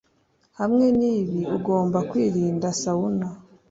Hamwe n’ibi ugomba kwirinda sauna